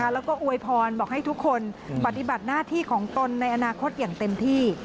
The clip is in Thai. แล้วก็อวยพรบอกให้ทุกคนปฏิบัติหน้าที่ของตนในอนาคตอย่างเต็มที่